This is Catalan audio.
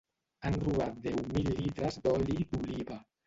Han robat deu mil litres d'oli d'oliva.